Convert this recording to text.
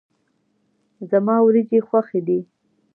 زما وريجي خوښي دي.